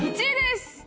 １位です！